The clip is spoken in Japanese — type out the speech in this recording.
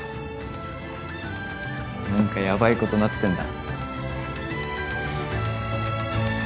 何かヤバいことなってんだ？